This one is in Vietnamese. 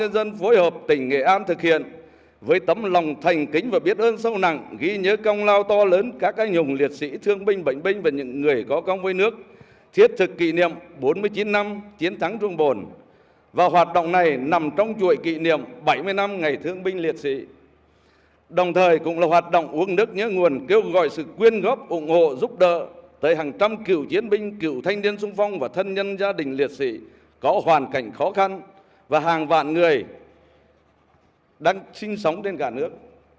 đồng quân nước nhớ nguồn kêu gọi sự quyên góp ủng hộ giúp đỡ tới hàng trăm cựu chiến binh cựu thanh niên sung phong và thân nhân gia đình liệt sĩ có hoàn cảnh khó khăn và hàng vạn người đang sinh sống trên cả nước